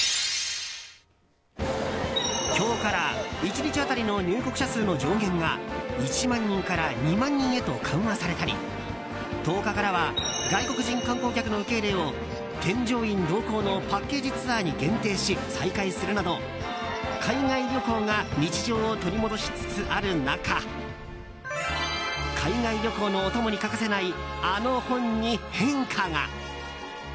今日から１日当たりの入国者数の上限が１万人から２万人へと緩和されたり１０日からは外国人観光客の受け入れを添乗員同行のパッケージツアーに限定し再開するなど、海外旅行が日常を取り戻しつつある中海外旅行のお供に欠かせないあの本に変化が。